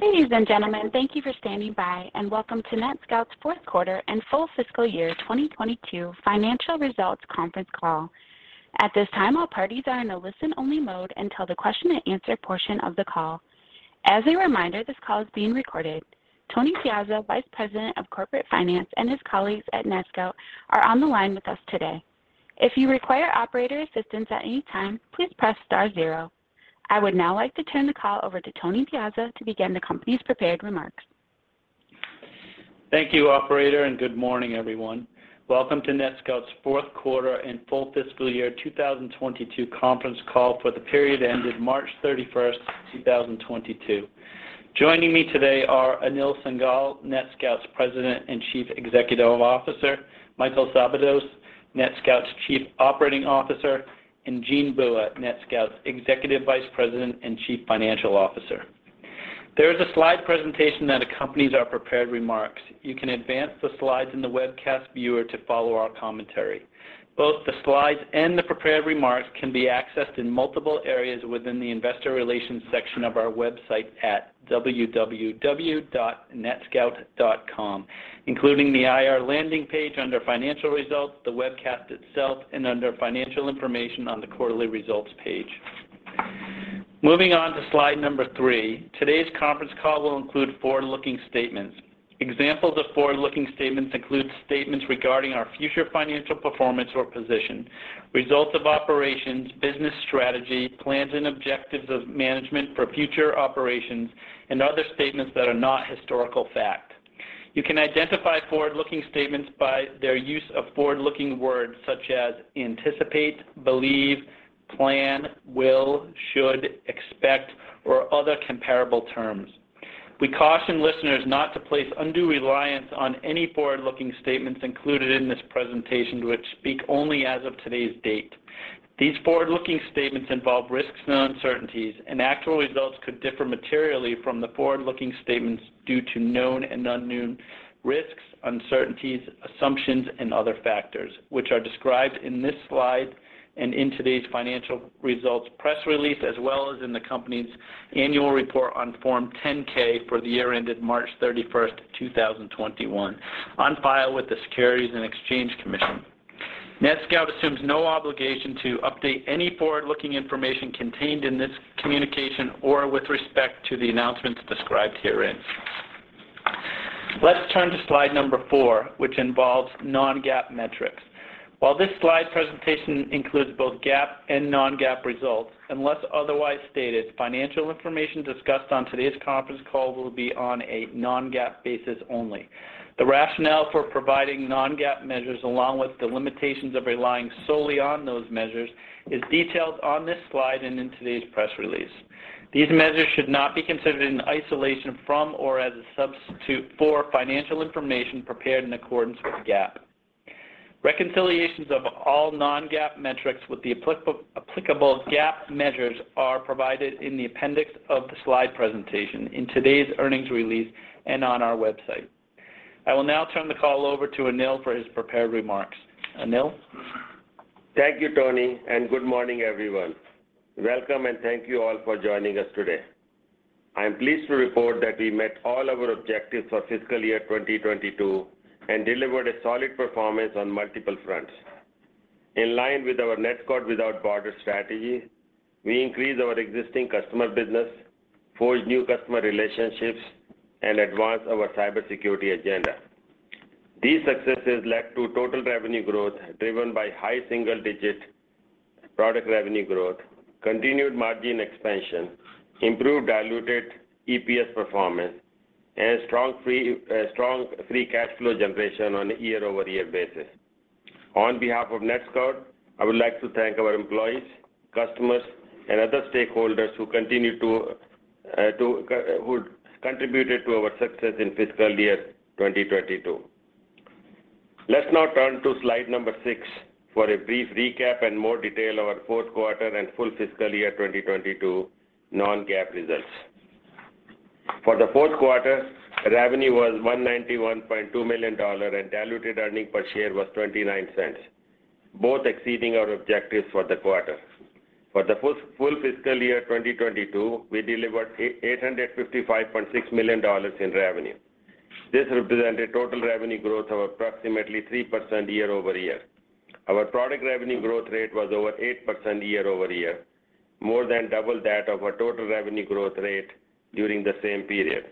Ladies and gentlemen, thank you for standing by, and welcome to NETSCOUT's fourth quarter and full fiscal year 2022 financial results conference call. At this time, all parties are in a listen-only mode until the question and answer portion of the call. As a reminder, this call is being recorded. Anthony Piazza, Vice President of Corporate Finance, and his colleagues at NETSCOUT are on the line with us today. If you require operator assistance at any time, please press star zero. I would now like to turn the call over to Anthony Piazza to begin the company's prepared remarks. Thank you, operator, and good morning, everyone. Welcome to NETSCOUT's fourth quarter and full fiscal year 2022 conference call for the period ended March 31, 2022. Joining me today are Anil Singhal, NETSCOUT's President and Chief Executive Officer, Michael Szabados, NETSCOUT's Chief Operating Officer, and Jean Bua, NETSCOUT's Executive Vice President and Chief Financial Officer. There is a slide presentation that accompanies our prepared remarks. You can advance the slides in the webcast viewer to follow our commentary. Both the slides and the prepared remarks can be accessed in multiple areas within the investor relations section of our website at www.netscout.com, including the IR landing page under Financial Results, the webcast itself, and under Financial Information on the Quarterly Results page. Moving on to slide number 3. Today's conference call will include forward-looking statements. Examples of forward-looking statements include statements regarding our future financial performance or position, results of operations, business strategy, plans and objectives of management for future operations, and other statements that are not historical fact. You can identify forward-looking statements by their use of forward-looking words such as anticipate, believe, plan, will, should, expect, or other comparable terms. We caution listeners not to place undue reliance on any forward-looking statements included in this presentation, which speak only as of today's date. These forward-looking statements involve risks and uncertainties, and actual results could differ materially from the forward-looking statements due to known and unknown risks, uncertainties, assumptions, and other factors, which are described in this slide and in today's financial results press release, as well as in the company's annual report on Form 10-K for the year ended March 31, 2021, on file with the Securities and Exchange Commission. NETSCOUT assumes no obligation to update any forward-looking information contained in this communication or with respect to the announcements described herein. Let's turn to slide number four, which involves non-GAAP metrics. While this slide presentation includes both GAAP and non-GAAP results, unless otherwise stated, financial information discussed on today's conference call will be on a non-GAAP basis only. The rationale for providing non-GAAP measures, along with the limitations of relying solely on those measures, is detailed on this slide and in today's press release. These measures should not be considered in isolation from or as a substitute for financial information prepared in accordance with GAAP. Reconciliations of all non-GAAP metrics with the applicable GAAP measures are provided in the appendix of the slide presentation, in today's earnings release, and on our website. I will now turn the call over to Anil for his prepared remarks. Anil? Thank you, Tony, and good morning, everyone. Welcome and thank you all for joining us today. I am pleased to report that we met all our objectives for fiscal year 2022 and delivered a solid performance on multiple fronts. In line with our Visibility Without Borders strategy, we increased our existing customer business, forged new customer relationships, and advanced our cybersecurity agenda. These successes led to total revenue growth driven by high single-digit product revenue growth, continued margin expansion, improved diluted EPS performance, and strong free cash flow generation on a year-over-year basis. On behalf of NetScout, I would like to thank our employees, customers, and other stakeholders who contributed to our success in fiscal year 2022. Let's now turn to slide number 6 for a brief recap and more detail on our fourth quarter and full fiscal year 2022 non-GAAP results. For the fourth quarter, revenue was $191.2 million and diluted earnings per share was $0.29, both exceeding our objectives for the quarter. For the full fiscal year 2022, we delivered $855.6 million in revenue. This represented total revenue growth of approximately 3% year-over-year. Our product revenue growth rate was over 8% year-over-year, more than double that of our total revenue growth rate during the same period.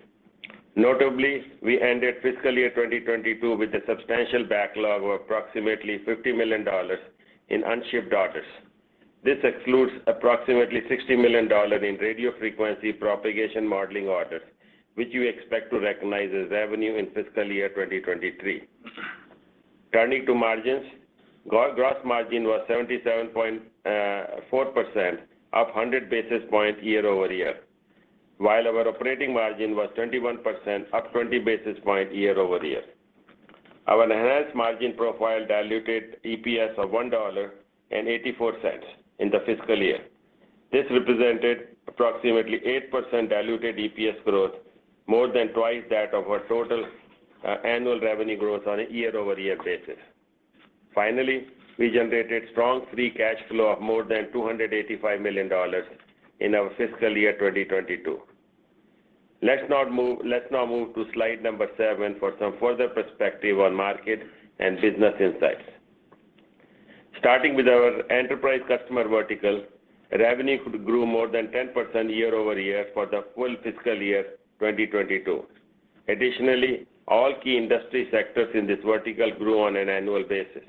Notably, we ended fiscal year 2022 with a substantial backlog of approximately $50 million in unshipped orders. This excludes approximately $60 million in radio frequency propagation modeling orders, which we expect to recognize as revenue in fiscal year 2023. Turning to margins, our gross margin was 77.4%, up 100 basis points year-over-year, while our operating margin was 21%, up 20 basis points year-over-year. Our enhanced margin profile diluted EPS of $1.84 in the fiscal year. This represented approximately 8% diluted EPS growth, more than twice that of our total annual revenue growth on a year-over-year basis. We generated strong free cash flow of more than $285 million in our fiscal year 2022. Let's now move to slide number seven for some further perspective on market and business insights. Starting with our enterprise customer vertical, revenue grew more than 10% year-over-year for the full fiscal year 2022. Additionally, all key industry sectors in this vertical grew on an annual basis.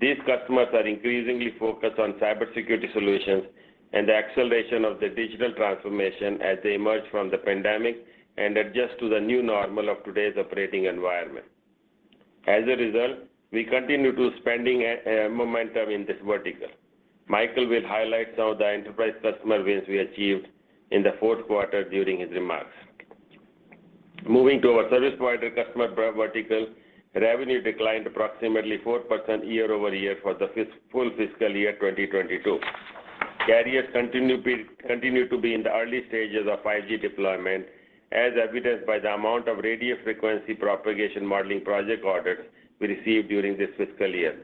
These customers are increasingly focused on cybersecurity solutions and the acceleration of the digital transformation as they emerge from the pandemic and adjust to the new normal of today's operating environment. As a result, we continue to see spending momentum in this vertical. Michael will highlight some of the enterprise customer wins we achieved in the fourth quarter during his remarks. Moving to our service provider customer vertical, revenue declined approximately 4% year-over-year for the full fiscal year 2022. Carriers continue to be in the early stages of 5G deployment, as evidenced by the amount of radio frequency propagation modeling project orders we received during this fiscal year.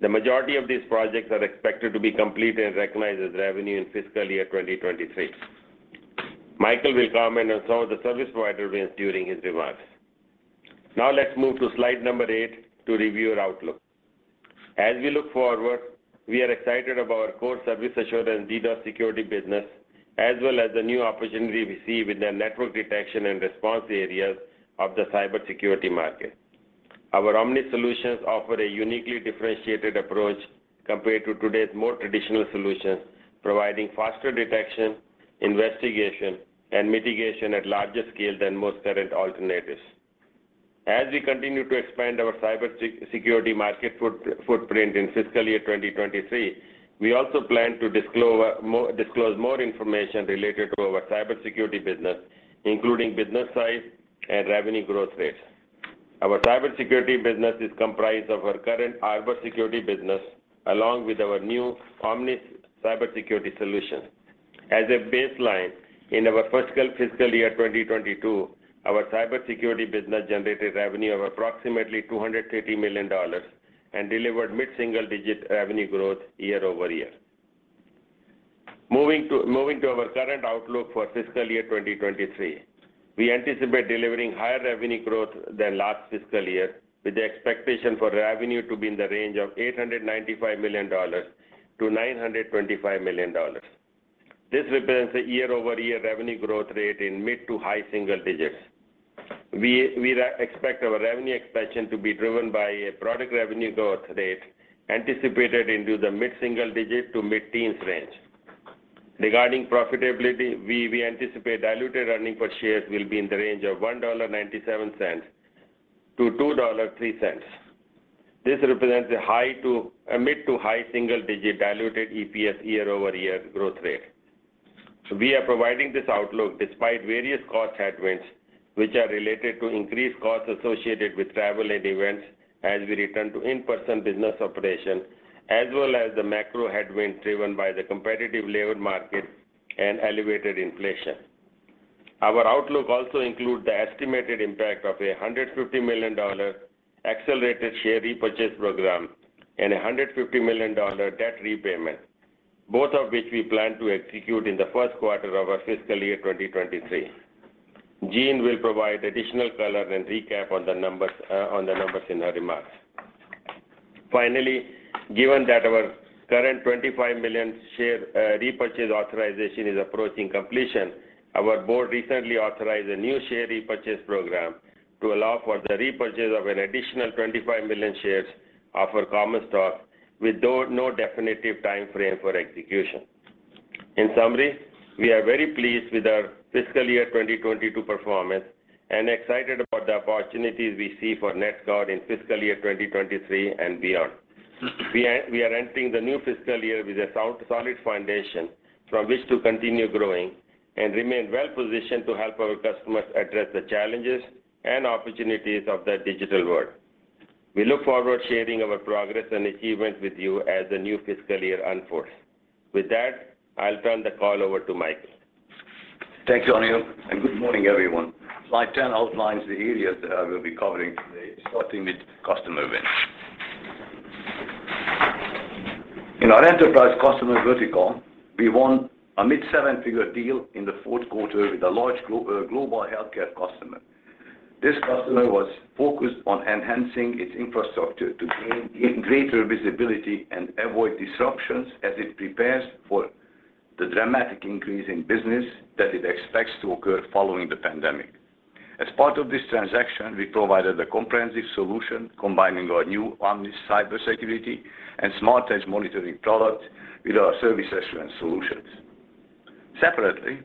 The majority of these projects are expected to be complete and recognized as revenue in fiscal year 2023. Michael will comment on some of the service provider wins during his remarks. Now let's move to slide number eight to review our outlook. As we look forward, we are excited about our core service assurance DDoS security business, as well as the new opportunity we see with the network detection and response areas of the cybersecurity market. Our Omnis solutions offer a uniquely differentiated approach compared to today's more traditional solutions, providing faster detection, investigation, and mitigation at larger scale than most current alternatives. As we continue to expand our cybersecurity market footprint in fiscal year 2023, we also plan to disclose more information related to our cybersecurity business, including business size and revenue growth rates. Our cybersecurity business is comprised of our current Arbor security business, along with our new Omnis Cyber Intelligence. As a baseline, in our first fiscal year, 2022, our cybersecurity business generated revenue of approximately $250 million and delivered mid-single-digit revenue growth year-over-year. Moving to our current outlook for fiscal year 2023, we anticipate delivering higher revenue growth than last fiscal year, with the expectation for revenue to be in the range of $895 million-$925 million. This represents a year-over-year revenue growth rate in mid-to-high single digits. We expect our revenue expansion to be driven by a product revenue growth rate anticipated into the mid-single-digit to mid-teens range. Regarding profitability, we anticipate diluted earnings per share will be in the range of $1.97-$2.03. This represents a mid-to-high single-digit diluted EPS year-over-year growth rate. We are providing this outlook despite various cost headwinds which are related to increased costs associated with travel and events as we return to in-person business operations, as well as the macro headwinds driven by the competitive labor market and elevated inflation. Our outlook also includes the estimated impact of a $150 million accelerated share repurchase program and a $150 million debt repayment, both of which we plan to execute in the first quarter of our fiscal year 2023. Jean will provide additional color and recap on the numbers in her remarks. Finally, given that our current 25 million share repurchase authorization is approaching completion, our board recently authorized a new share repurchase program to allow for the repurchase of an additional 25 million shares of our common stock with no definitive time frame for execution. In summary, we are very pleased with our fiscal year 2022 performance and excited about the opportunities we see for NETSCOUT in fiscal year 2023 and beyond. We are entering the new fiscal year with a solid foundation from which to continue growing and remain well positioned to help our customers address the challenges and opportunities of the digital world. We look forward to sharing our progress and achievements with you as the new fiscal year unfolds. With that, I'll turn the call over to Michael. Thanks, Anil, and good morning, everyone. Slide 10 outlines the areas that I will be covering today, starting with customer wins. In our enterprise customer vertical, we won a mid-seven-figure deal in the fourth quarter with a large global healthcare customer. This customer was focused on enhancing its infrastructure to gain even greater visibility and avoid disruptions as it prepares for the dramatic increase in business that it expects to occur following the pandemic. As part of this transaction, we provided a comprehensive solution combining our new Omnis cybersecurity and Smart Edge Monitoring product with our service assurance solutions. Separately,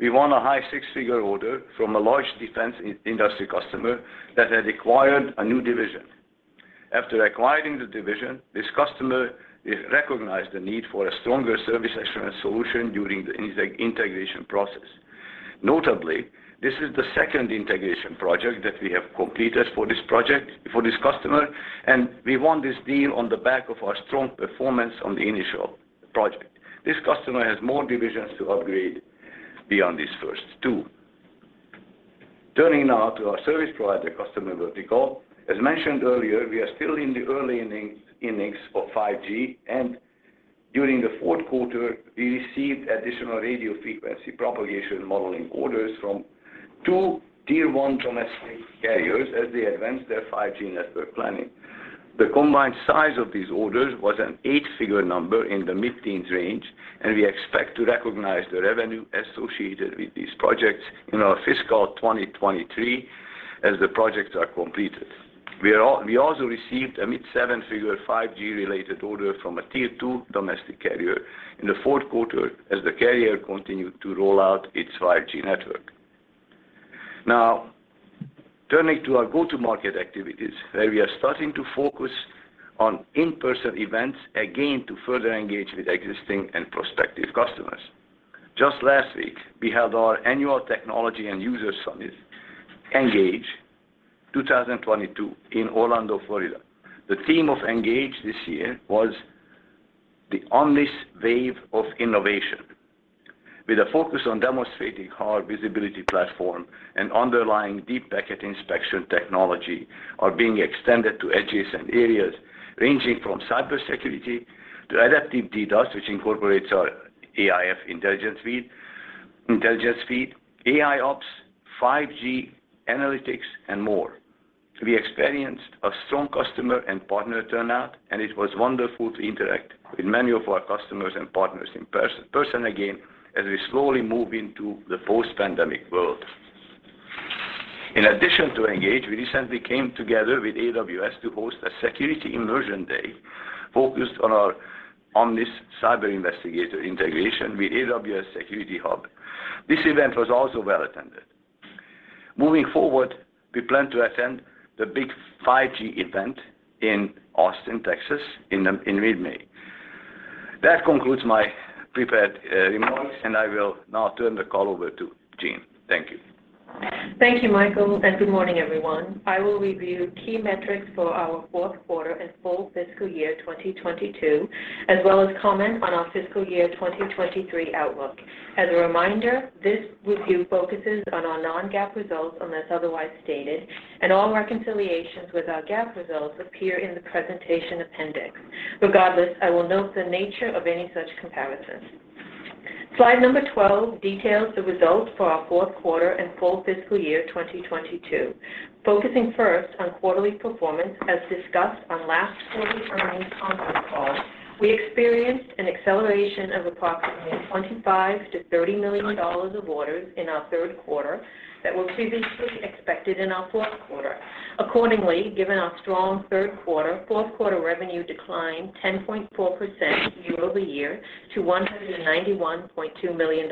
we won a high six-figure order from a large defense industry customer that had acquired a new division. After acquiring the division, this customer recognized the need for a stronger service assurance solution during the integration process. Notably, this is the second integration project that we have completed for this customer, and we won this deal on the back of our strong performance on the initial project. This customer has more divisions to upgrade beyond these first two. Turning now to our service provider customer vertical. As mentioned earlier, we are still in the early innings of 5G, and during the fourth quarter, we received additional radio frequency propagation modeling orders from two tier one domestic carriers as they advanced their 5G network planning. The combined size of these orders was an eight-figure number in the mid-teens range, and we expect to recognize the revenue associated with these projects in our fiscal 2023 as the projects are completed. We also received a mid-seven-figure 5G related order from a tier two domestic carrier in the fourth quarter as the carrier continued to roll out its 5G network. Now turning to our go-to-market activities, where we are starting to focus on in-person events again to further engage with existing and prospective customers. Just last week, we held our annual technology and user summit, Engage 2022 in Orlando, Florida. The theme of Engage this year was the Omnis wave of innovation, with a focus on demonstrating how our visibility platform and underlying deep packet inspection technology are being extended to edges and areas ranging from cybersecurity to adaptive DDoS, which incorporates our AIF intelligence feed, AIOps, 5G analytics, and more. We experienced a strong customer and partner turnout, and it was wonderful to interact with many of our customers and partners in person again as we slowly move into the post-pandemic world. In addition to Engage, we recently came together with AWS to host a security immersion day focused on our Omnis Cyber Investigator integration with AWS Security Hub. This event was also well attended. Moving forward, we plan to attend the big 5G event in Austin, Texas, in mid-May. That concludes my prepared remarks, and I will now turn the call over to Jean. Thank you. Thank you, Michael, and good morning, everyone. I will review key metrics for our fourth quarter and full fiscal year 2022, as well as comment on our fiscal year 2023 outlook. As a reminder, this review focuses on our non-GAAP results unless otherwise stated, and all reconciliations with our GAAP results appear in the presentation appendix. Regardless, I will note the nature of any such comparisons. Slide number 12 details the results for our fourth quarter and full fiscal year 2022. Focusing first on quarterly performance, as discussed on last quarterly earnings conference call, we experienced an acceleration of approximately $25-$30 million of orders in our third quarter that were previously expected in our fourth quarter. Accordingly, given our strong third quarter, fourth quarter revenue declined 10.4% year-over-year to $191.2 million.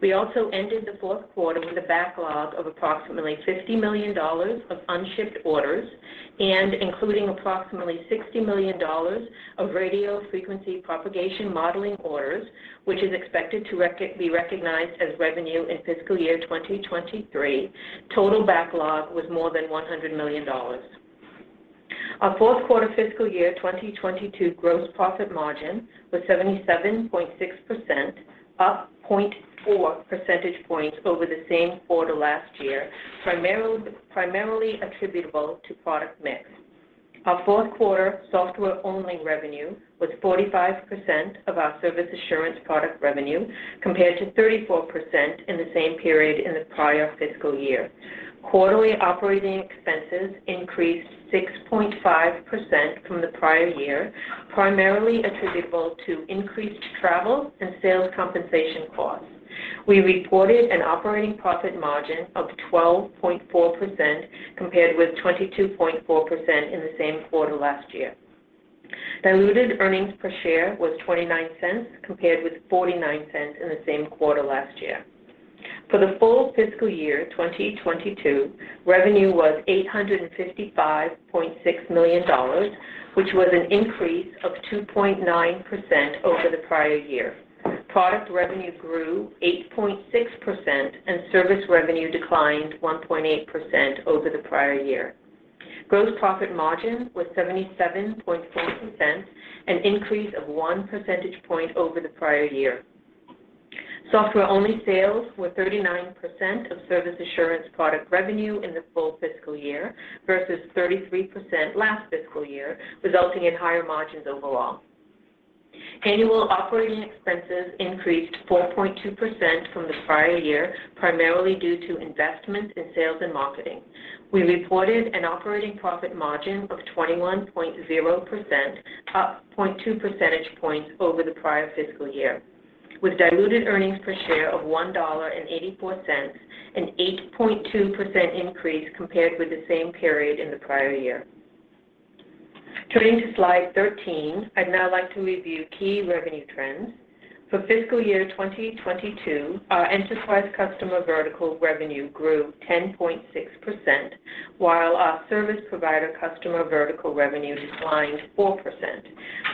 We also ended the fourth quarter with a backlog of approximately $50 million of unshipped orders and including approximately $60 million of radio frequency propagation modeling orders, which is expected to be recognized as revenue in fiscal year 2023. Total backlog was more than $100 million. Our fourth quarter fiscal year 2022 gross profit margin was 77.6%, up 0.4 percentage points over the same quarter last year, primarily attributable to product mix. Our fourth quarter software-only revenue was 45% of our service assurance product revenue, compared to 34% in the same period in the prior fiscal year. Quarterly operating expenses increased 6.5% from the prior year, primarily attributable to increased travel and sales compensation costs. We reported an operating profit margin of 12.4% compared with 22.4% in the same quarter last year. Diluted earnings per share was $0.29 compared with $0.49 in the same quarter last year. For the full fiscal year 2022, revenue was $855.6 million, which was an increase of 2.9% over the prior year. Product revenue grew 8.6%, and service revenue declined 1.8% over the prior year. Gross profit margin was 77.4%, an increase of one percentage point over the prior year. Software-only sales were 39% of service assurance product revenue in the full fiscal year versus 33% last fiscal year, resulting in higher margins overall. Annual operating expenses increased 4.2% from the prior year, primarily due to investments in sales and marketing. We reported an operating profit margin of 21.0%, up 0.2 percentage points over the prior fiscal year, with diluted earnings per share of $1.84, an 8.2% increase compared with the same period in the prior year. Turning to slide 13, I'd now like to review key revenue trends. For fiscal year 2022, our enterprise customer vertical revenue grew 10.6%, while our service provider customer vertical revenue declined 4%,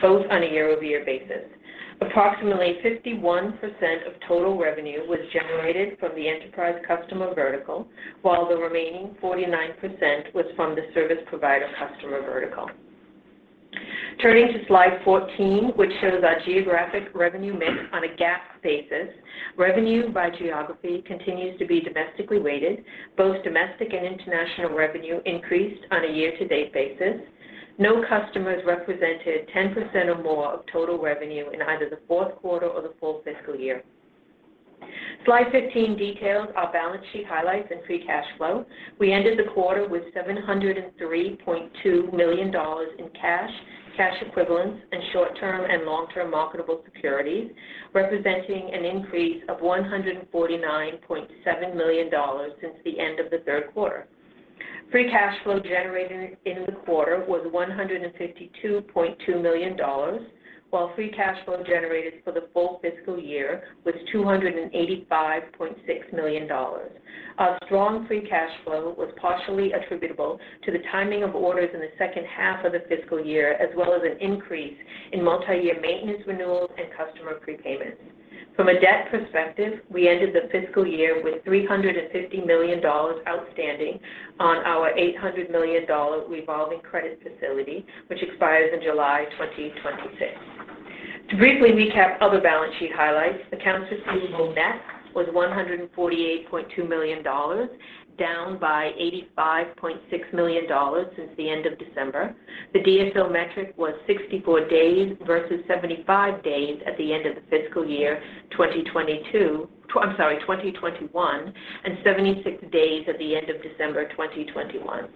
both on a year-over-year basis. Approximately 51% of total revenue was generated from the enterprise customer vertical, while the remaining 49% was from the service provider customer vertical. Turning to slide 14, which shows our geographic revenue mix on a GAAP basis, revenue by geography continues to be domestically weighted. Both domestic and international revenue increased on a year-to-date basis. No customers represented 10% or more of total revenue in either the fourth quarter or the full fiscal year. Slide 15 details our balance sheet highlights and free cash flow. We ended the quarter with $703.2 million in cash equivalents, and short-term and long-term marketable securities, representing an increase of $149.7 million since the end of the third quarter. Free cash flow generated in the quarter was $152.2 million, while free cash flow generated for the full fiscal year was $285.6 million. Our strong free cash flow was partially attributable to the timing of orders in the second half of the fiscal year, as well as an increase in multi-year maintenance renewals and customer prepayments. From a debt perspective, we ended the fiscal year with $350 million outstanding on our $800 million revolving credit facility, which expires in July 2026. To briefly recap other balance sheet highlights, accounts receivable net was $148.2 million, down by $85.6 million since the end of December. The DSO metric was 64 days versus 75 days at the end of the fiscal year 2021, and 76 days at the end of December 2021.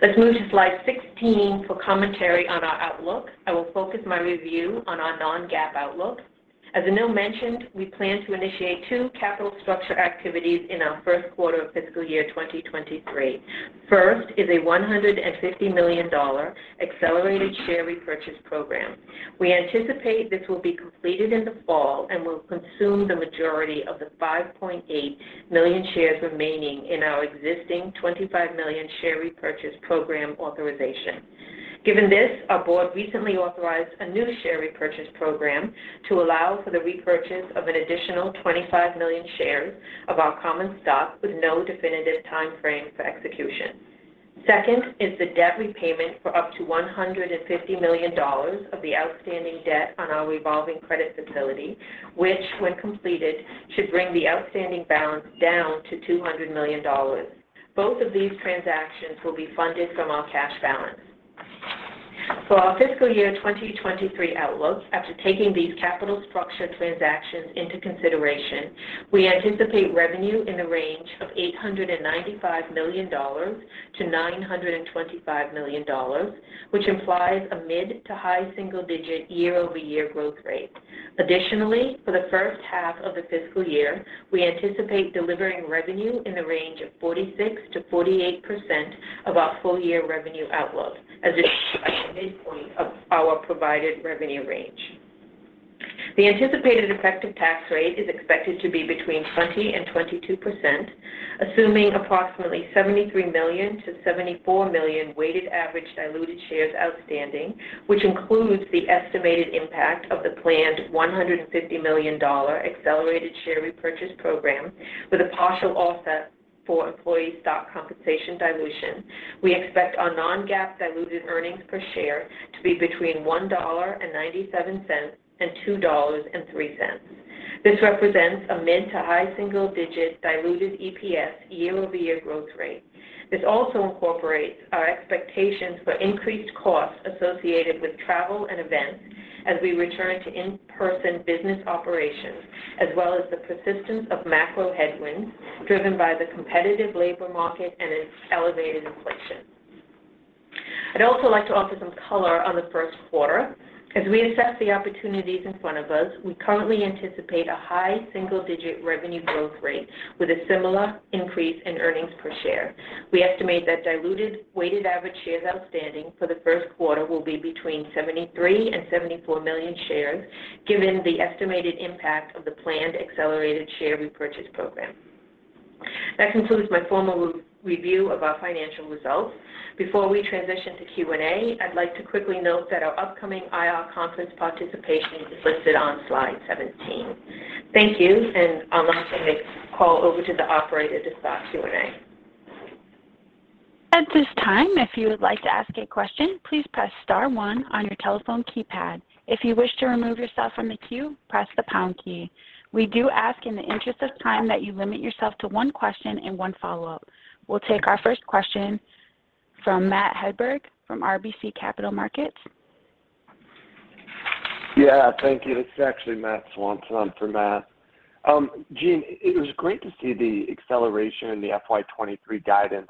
Let's move to slide 16 for commentary on our outlook. I will focus my review on our non-GAAP outlook. As Anil mentioned, we plan to initiate two capital structure activities in our first quarter of fiscal year 2023. First is a $150 million accelerated share repurchase program. We anticipate this will be completed in the fall and will consume the majority of the 5.8 million shares remaining in our existing 25 million share repurchase program authorization. Given this, our board recently authorized a new share repurchase program to allow for the repurchase of an additional 25 million shares of our common stock with no definitive time frame for execution. Second is the debt repayment for up to $150 million of the outstanding debt on our revolving credit facility, which when completed, should bring the outstanding balance down to $200 million. Both of these transactions will be funded from our cash balance. For our fiscal year 2023 outlook, after taking these capital structure transactions into consideration, we anticipate revenue in the range of $895 million-$925 million, which implies a mid to high single digit year-over-year growth rate. Additionally, for the first half of the fiscal year, we anticipate delivering revenue in the range of 46%-48% of our full year revenue outlook. At this time, if you would like to ask a question, please press star one on your telephone keypad. If you wish to remove yourself from the queue, press the pound key. We do ask in the interest of time that you limit yourself to one question and one follow-up. We'll take our first question from Matthew Hedberg from RBC Capital Markets. Yeah. Thank you. It's actually Matthew Swanson, on for Matt. Jean, it was great to see the acceleration in the FY23 guidance.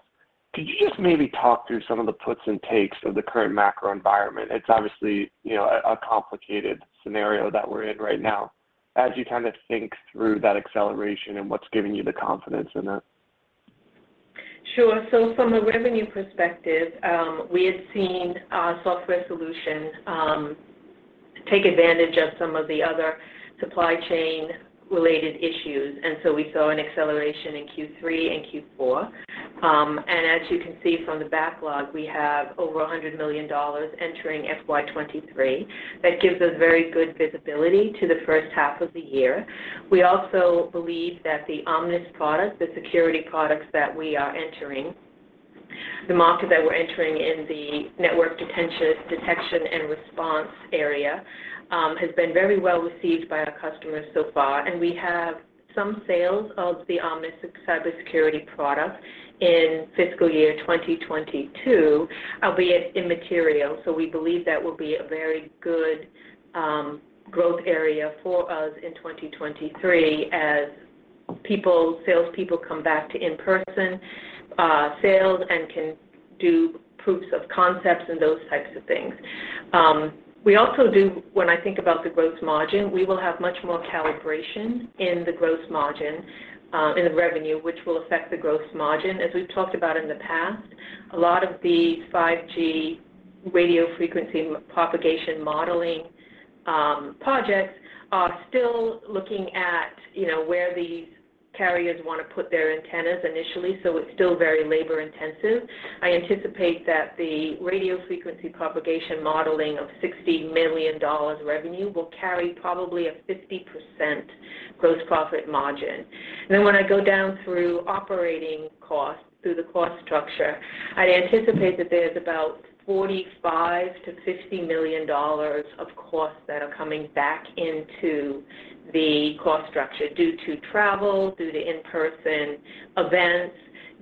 Could you just maybe talk through some of the puts and takes of the current macro environment? It's obviously, you know, a complicated scenario that we're in right now as you kind of think through that acceleration and what's giving you the confidence in that. Sure. From a revenue perspective, we had seen our software solution take advantage of some of the other supply chain related issues, and so we saw an acceleration in Q3 and Q4. As you can see from the backlog, we have over $100 million entering FY23. That gives us very good visibility to the first half of the year. We also believe that the Omnis product, the security products that we are entering the market that we're entering in the network detection and response area, has been very well received by our customers so far, and we have some sales of the Omnis cybersecurity product in fiscal year 2022, albeit immaterial. We believe that will be a very good growth area for us in 2023 as salespeople come back to in-person sales and can do proofs of concepts and those types of things. When I think about the gross margin, we will have much more calibration in the gross margin in the revenue, which will affect the gross margin. As we've talked about in the past, a lot of the 5G radio frequency propagation modeling projects are still looking at, you know, where these carriers wanna put their antennas initially, so it's still very labor-intensive. I anticipate that the radio frequency propagation modeling of $60 million revenue will carry probably a 50% gross profit margin. When I go down through operating costs, through the cost structure, I'd anticipate that there's about $45 million-$50 million of costs that are coming back into the cost structure due to travel, due to in-person events,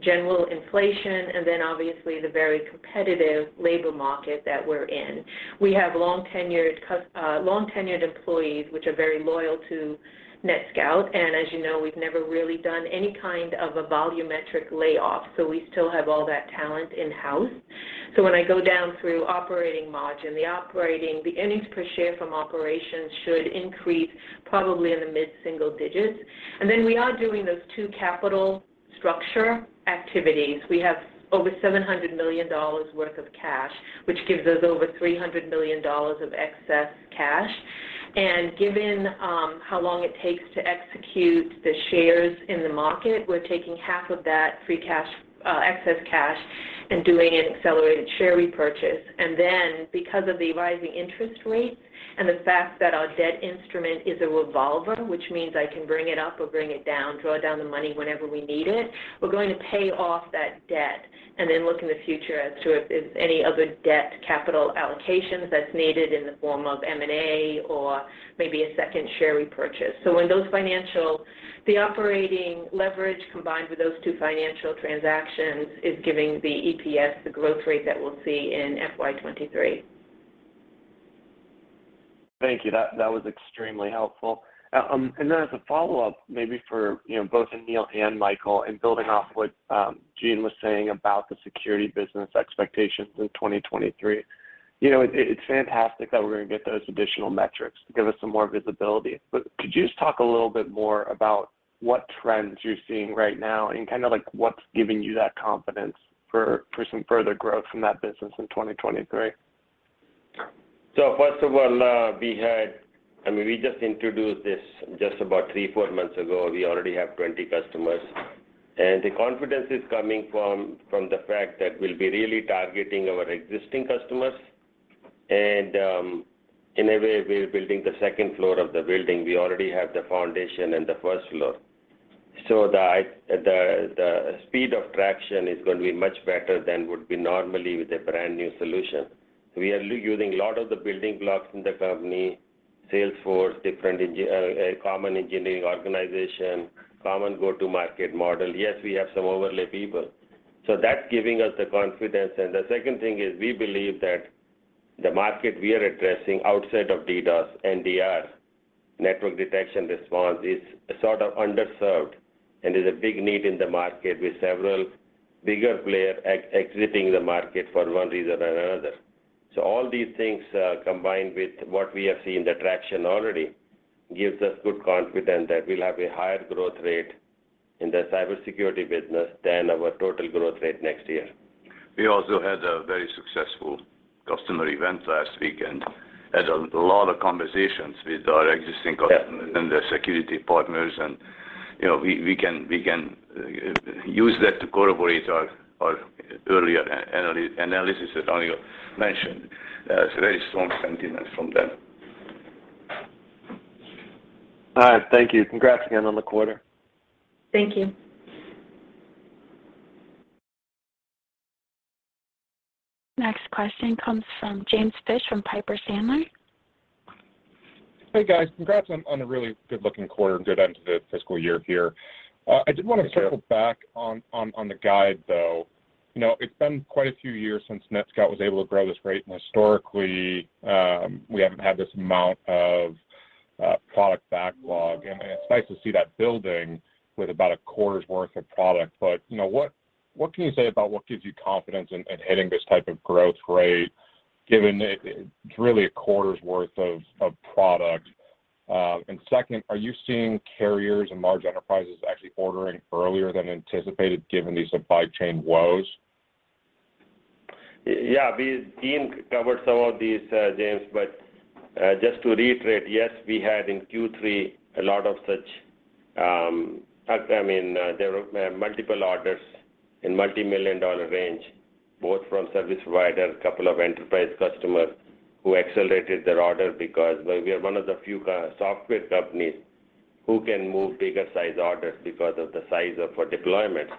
general inflation, and then obviously the very competitive labor market that we're in. We have long-tenured employees, which are very loyal to NETSCOUT. As you know, we've never really done any kind of a volumetric layoff, so we still have all that talent in-house. When I go down through operating margin, the earnings per share from operations should increase probably in the mid-single digits%. We are doing those two capital structure activities. We have over $700 million worth of cash, which gives us over $300 million of excess cash. Given how long it takes to execute the shares in the market, we're taking half of that free cash, excess cash and doing an accelerated share repurchase. Then, because of the rising interest rates and the fact that our debt instrument is a revolver, which means I can bring it up or bring it down, draw down the money whenever we need it, we're going to pay off that debt and then look in the future as to if any other debt capital allocations that's needed in the form of M&A or maybe a second share repurchase. When the operating leverage combined with those two financial transactions is giving the EPS the growth rate that we'll see in FY 2023. Thank you. That was extremely helpful. As a follow-up, maybe for you know both Anil and Michael, building off what Jean was saying about the security business expectations in 2023. You know, it's fantastic that we're gonna get those additional metrics to give us some more visibility. Could you just talk a little bit more about what trends you're seeing right now and kinda like what's giving you that confidence for some further growth from that business in 2023? I mean, we just introduced this just about three-four months ago. We already have 20 customers. The confidence is coming from the fact that we'll be really targeting our existing customers. In a way, we're building the second floor of the building. We already have the foundation and the first floor. The speed of traction is gonna be much better than would be normally with a brand-new solution. We are using a lot of the building blocks in the company, sales force, common engineering organization, common go-to-market model. Yes, we have some overlay people. That's giving us the confidence. The second thing is we believe that the market we are addressing outside of DDoS, NDR, Network Detection and Response, is sort of underserved, and there's a big need in the market with several bigger player exiting the market for one reason or another. All these things, combined with what we have seen, the traction already, gives us good confidence that we'll have a higher growth rate in the cybersecurity business than our total growth rate next year. We also had a very successful customer event last week and had a lot of conversations with our existing customers. Yeah the security partners. You know, we can use that to corroborate our earlier analysis that Anil mentioned. There's very strong sentiment from them. All right. Thank you. Congrats again on the quarter. Thank you. Next question comes from James Fish from Piper Sandler. Hey, guys. Congrats on a really good-looking quarter and good end to the fiscal year here. I did wanna- Thank you. Circle back on the guide, though. You know, it's been quite a few years since NETSCOUT was able to grow at this rate, and historically, we haven't had this amount of product backlog. It's nice to see that building with about a quarter's worth of product. You know, what can you say about what gives you confidence in hitting this type of growth rate given it's really a quarter's worth of product? Second, are you seeing carriers and large enterprises actually ordering earlier than anticipated given these supply chain woes? Yeah. With, Jean covered some of these, James, but just to reiterate, yes, we had in Q3 a lot of such. I mean, there were multiple orders in multimillion-dollar range, both from service providers, couple of enterprise customers who accelerated their order because, well, we are one of the few software companies who can move bigger size orders because of the size of our deployment.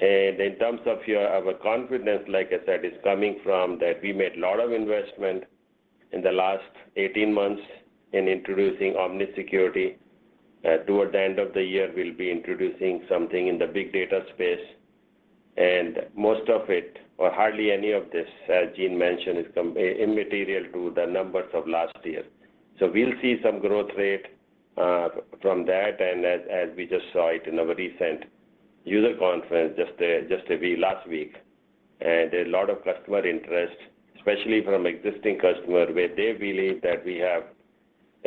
In terms of our confidence, like I said, is coming from that we made a lot of investment in the last 18 months in introducing Omnis Security. Toward the end of the year, we'll be introducing something in the big data space. Most of it, or hardly any of this, as Jeane mentioned, is immaterial to the numbers of last year. We'll see some growth rate from that, and as we just saw it in our recent user conference just maybe last week. A lot of customer interest, especially from existing customer, where they believe that we have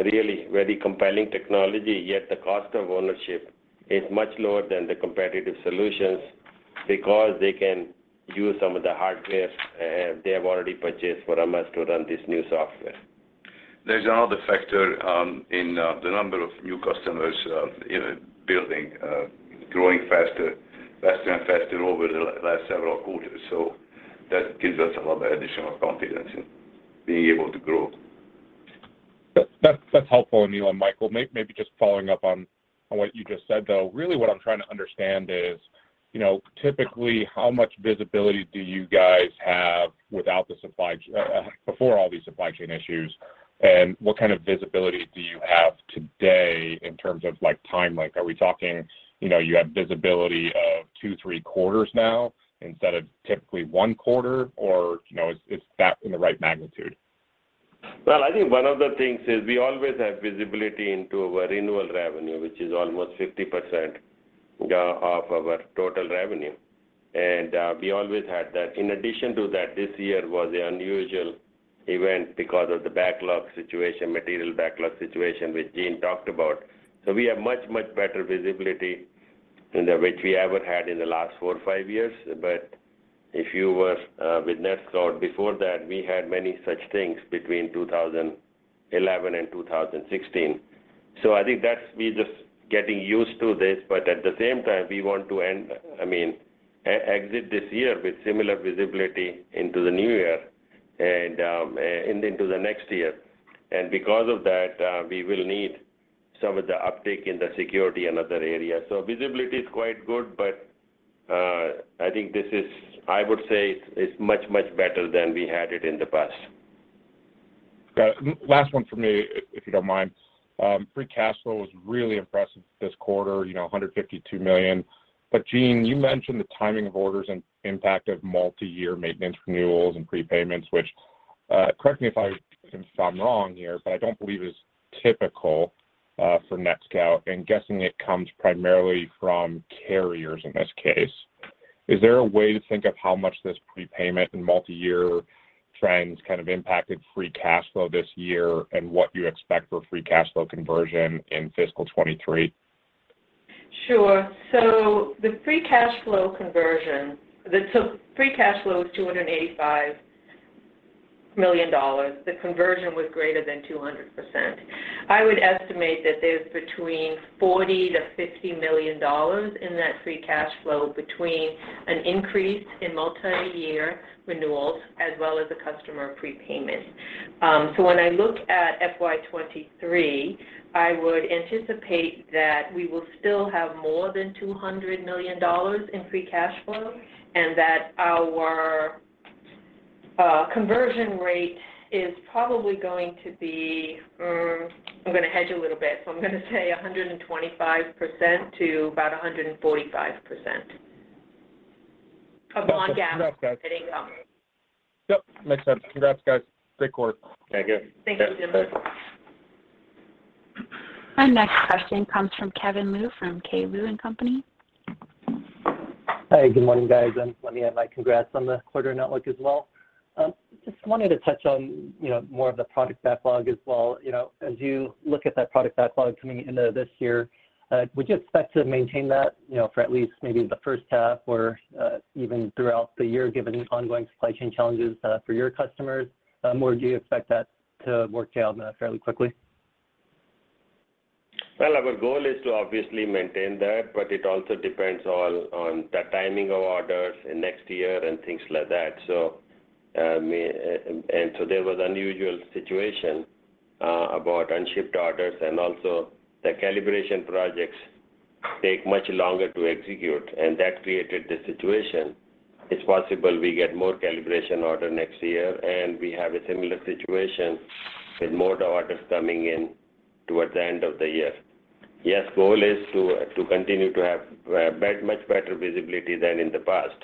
really very compelling technology, yet the cost of ownership is much lower than the competitive solutions because they can use some of the hardware they have already purchased for almost nothing to run this new software. There's another factor in the number of new customers in building growing faster and faster over the last several quarters. That gives us a lot of additional confidence in being able to grow. That's helpful, Anil and Michael. Maybe just following up on what you just said, though. Really what I'm trying to understand is, you know, typically, how much visibility do you guys have without the supply chain, before all these supply chain issues, and what kind of visibility do you have today in terms of, like, timeline? Are we talking, you know, you have visibility of two, three quarters now instead of typically one quarter, or, you know, is that in the right magnitude? Well, I think one of the things is we always have visibility into our renewal revenue, which is almost 50% of our total revenue, and we always had that. In addition to that, this year was an unusual event because of the backlog situation, material backlog situation, which Jean talked about. We have much better visibility than that which we ever had in the last four or five years. If you were with NETSCOUT before that, we had many such things between 2011 and 2016. I think that's. We're just getting used to this, but at the same time, we want to end, I mean, exit this year with similar visibility into the new year and into the next year. Because of that, we will need some of the uptick in the security and other areas. Visibility is quite good, but I think I would say it's much, much better than we had it in the past. Got it. Last one from me, if you don't mind. Free cash flow was really impressive this quarter, you know, $152 million. Jean, you mentioned the timing of orders and impact of multiyear maintenance renewals and prepayments, which, correct me if I'm wrong here, but I don't believe is typical, for NETSCOUT, and guessing it comes primarily from carriers in this case. Is there a way to think of how much this prepayment and multiyear trends kind of impacted free cash flow this year and what you expect for free cash flow conversion in fiscal 2023? Free cash flow conversion, free cash flow is $285 million. The conversion was greater than 200%. I would estimate that there's between $40 million-$50 million in that free cash flow between an increase in multiyear renewals as well as the customer prepayment. When I look at FY 2023, I would anticipate that we will still have more than $200 million in free cash flow and that our conversion rate is probably going to be. I'm gonna hedge a little bit, so I'm gonna say 125% to about 145% of non-GAAP. Congrats, guys. net income. Yep. Makes sense. Congrats, guys. Great quarter. Thank you. Thank you, Jim. Thanks. Our next question comes from Kevin Liu from K. Liu & Company. Hi. Good morning, guys, and let me add my congrats on the quarter, NetScout as well. Just wanted to touch on, you know, more of the product backlog as well. You know, as you look at that product backlog coming into this year, would you expect to maintain that, you know, for at least maybe the first half or, even throughout the year, given the ongoing supply chain challenges, for your customers? Or do you expect that to work out, fairly quickly? Well, our goal is to obviously maintain that, but it all depends on the timing of orders and next year and things like that. There was an unusual situation about unshipped orders and also the calibration projects take much longer to execute, and that created the situation. It's possible we get more calibration order next year, and we have a similar situation with more orders coming in towards the end of the year. Yes, goal is to continue to have much better visibility than in the past,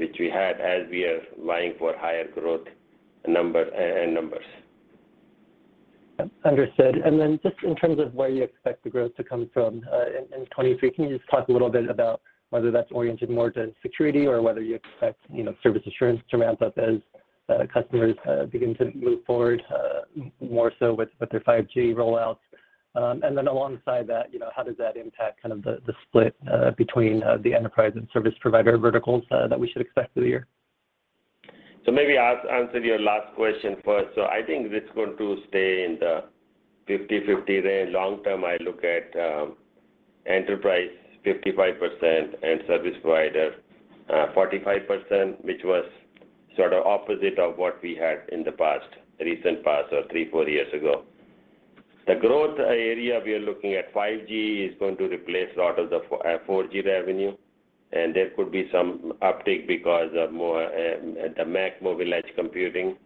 which we had as we are vying for higher growth number, and numbers. Understood. Just in terms of where you expect the growth to come from, in 2023, can you just talk a little bit about whether that's oriented more to security or whether you expect, you know, service assurance to ramp up as customers begin to move forward, more so with their 5G rollouts. Alongside that, you know, how does that impact kind of the split between the enterprise and service provider verticals that we should expect through the year? Maybe I'll answer your last question first. I think it's going to stay in the 50/50 range. Long term, I look at enterprise 55% and service provider 45%, which was sort of opposite of what we had in the past, recent past or three or four years ago. The growth area we are looking at, 5G is going to replace a lot of the 4G revenue, and there could be some uptake because of more the MEC mobile edge computing.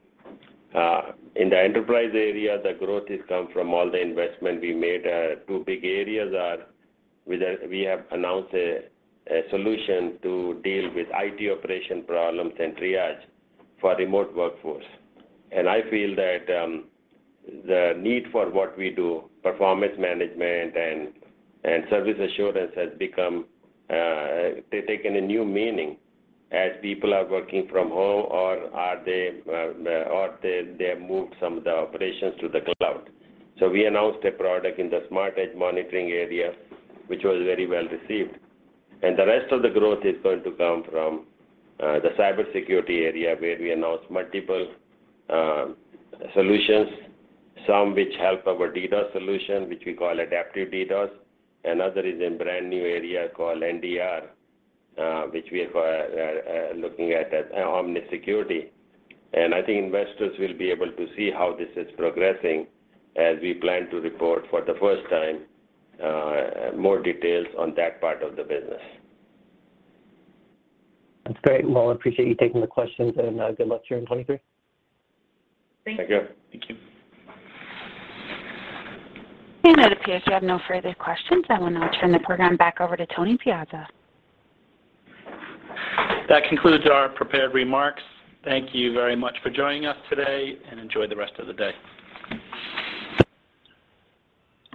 In the enterprise area, the growth has come from all the investment we made. Two big areas are we have announced a solution to deal with IT operation problems and triage for remote workforce. I feel that the need for what we do, performance management and service assurance, has become. They've taken a new meaning as people are working from home or they have moved some of the operations to the cloud. We announced a product in the Smart Edge Monitoring area, which was very well received. The rest of the growth is going to come from the cybersecurity area where we announced multiple solutions, some which help our DDoS solution, which we call Adaptive DDoS. Another is a brand-new area called NDR, which we are looking at as Omnis Security. I think investors will be able to see how this is progressing as we plan to report for the first time more details on that part of the business. That's great. Well, I appreciate you taking the questions and good luck here in 2023. Thank you. Thank you. With that, if you have no further questions, I will now turn the program back over to Anthony Piazza. That concludes our prepared remarks. Thank you very much for joining us today, and enjoy the rest of the day.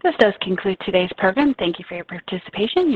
This does conclude today's program. Thank you for your participation.